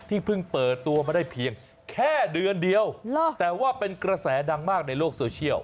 เพิ่งเปิดตัวมาได้เพียงแค่เดือนเดียวแต่ว่าเป็นกระแสดังมากในโลกโซเชียล